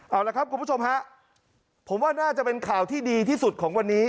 เอาละครับคุณผู้ชมฮะผมว่าน่าจะเป็นข่าวที่ดีที่สุดของวันนี้